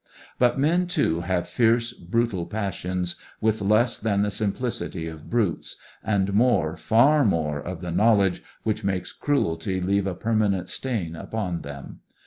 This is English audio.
But men, too, have fierce, brutal passions, with less than the simplicity of brutes, and more, far more, of the knowledge which makes cruelty leave a permanent stain upon them.